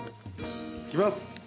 いきます！